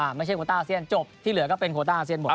ไม่ใช่โคต้าอาเซียนจบที่เหลือก็เป็นโคต้าอาเซียนหมด